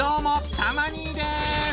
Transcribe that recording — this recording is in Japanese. たま兄です！